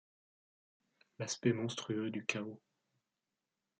L'aspect monstrueux du chaos.